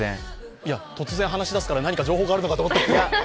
いや、突然話し出すから何か情報があるかと思った。